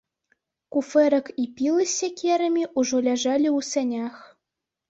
Куфэрак і пілы з сякерамі ўжо ляжалі ў санях.